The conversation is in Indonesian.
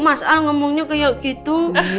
masalah lu mana pernah kayak gitu